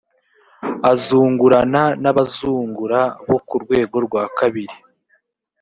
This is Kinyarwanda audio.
azungurana n abazungura bo ku rwego rwa kabiri